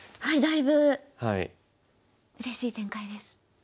はいだいぶうれしい展開です。